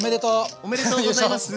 おめでとうございます！